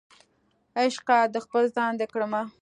عشقه د خپل ځان دې کړم